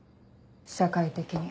社会的に。